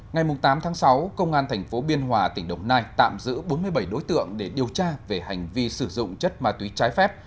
ngày tám tháng sáu công an tp biên hòa tỉnh đồng nai tạm giữ bốn mươi bảy đối tượng để điều tra về hành vi sử dụng chất ma túy trái phép